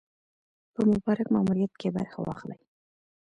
په مبارک ماموریت کې برخه واخلي.